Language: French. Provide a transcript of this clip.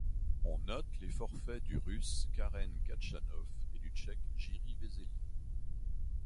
On note les forfaits du Russe Karen Khachanov et du Tchèque Jiří Veselý.